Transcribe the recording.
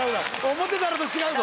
思ってたのと違うぞ。